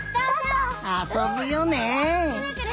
あそぶよね！